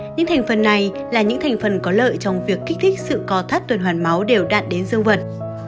những thành phần này là những thành phần có lợi trong việc kích thích sự co thắt tuần hoàn máu đều đạn đến dương vật